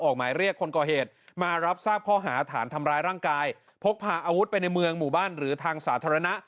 หมายเรียกคนก่อเหตุมารับทราบข้อหาฐานทำร้ายร่างกายพกพาอาวุธไปในเมืองหมู่บ้านหรือทางสาธารณะ